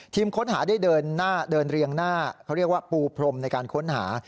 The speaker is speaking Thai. ทีมค้นหาได้เดินเรียงหน้าเขาเรียกว่าปูพรมในการค้นหา